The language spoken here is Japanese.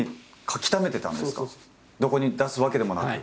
どこに出すわけでもなく。